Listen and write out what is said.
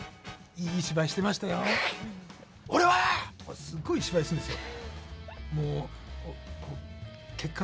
俺は！とかすっごい芝居するんですよ。